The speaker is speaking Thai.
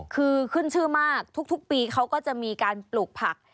คือขึ้นชื่อมากทุกปีเขาก็จะมีการปลูกผัก